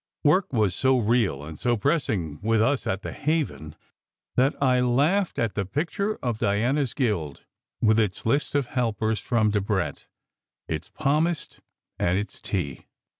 Work was so real and so pressing with us at "The Haven" that I laughed at the picture of Diana s guild with its list of helpers from Debrett, its palmist, and its tea.